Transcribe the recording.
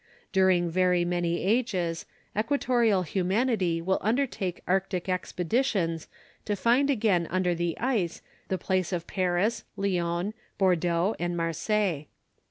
During very many ages, equatorial humanity will undertake arctic expeditions to find again under the ice the place of Paris, Lyons, Bordeaux, and Marseilles.